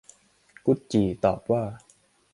กุดจี่ตอบว่า